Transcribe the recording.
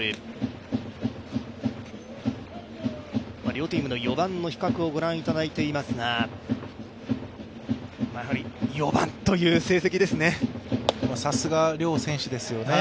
両チームの４番の比較を御覧いただいていますが、やはり４番という成績ですね。